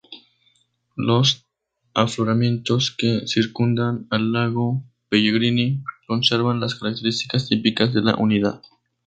Los afloramientos que circundan al lago Pellegrini conservan las características típicas de la unidad.